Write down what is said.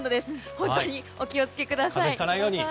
本当に、お気を付けください。